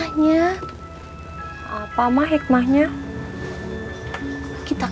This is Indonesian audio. g harus dicari